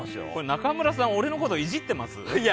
中村さん、俺のことをイジってます？